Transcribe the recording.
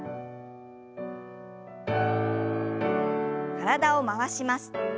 体を回します。